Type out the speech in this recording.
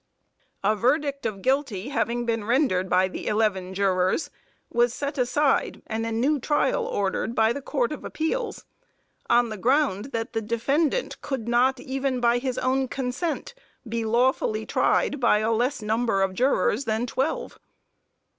A verdict of guilty having been rendered by the eleven jurors, was set aside and a new trial ordered by the Court of Appeals, on the ground that the defendant could not, even by his own consent, be lawfully tried, by a less number of jurors than twelve.